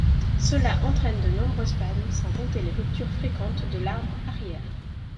Cela entraîne de nombreuses panne sans compter les ruptures fréquentes de l’arbre arrière.